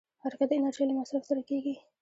حرکت د انرژۍ له مصرف سره کېږي.